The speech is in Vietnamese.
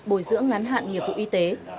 bồi dưỡng ngắn hạn nghiệp vụ y tế